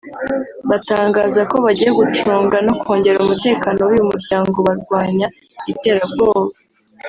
batangaza ko bagiye gucunga no kongera umutekano w’uyu muryango barwanya iterabwoba